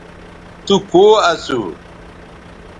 تو کو اسو